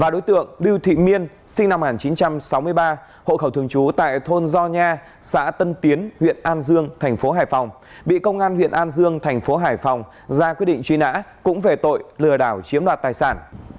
ba đối tượng lưu thị miên sinh năm một nghìn chín trăm sáu mươi ba hộ khẩu thường trú tại thôn gio nha xã tân tiến huyện an dương thành phố hải phòng bị công an huyện an dương thành phố hải phòng ra quyết định truy nã cũng về tội lừa đảo chiếm đoạt tài sản